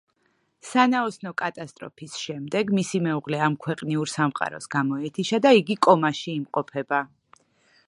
სანაოსნო კატასტროფის შემდეგ, მისი მეუღლე ამქვეყნიურ სამყაროს გამოეთიშა და იგი კომაში იმყოფება.